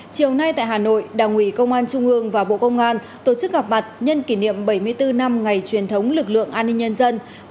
chiều nay tại hà nội đảng ủy công an trung ương và bộ công an tổ chức gặp mặt nhân kỷ niệm bảy mươi bốn năm ngày truyền thống lực lượng an ninh nhân dân